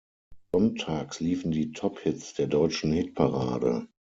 Sonntags liefen die Tophits der deutschen Hitparade.